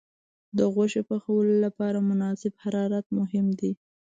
د غوښې پخولو لپاره مناسب حرارت مهم دی.